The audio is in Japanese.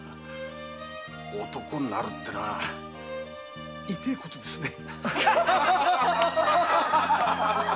男になるってことは痛ぇことですね。